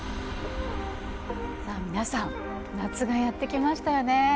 さあ皆さん夏がやって来ましたよね。